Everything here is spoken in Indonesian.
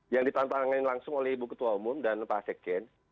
yang ditantangin langsung oleh ibu ketua umum dan pak sekjen